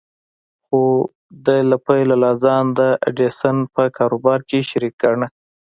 خو ده له پيله لا ځان د ايډېسن په کاروبار کې شريک ګاڼه.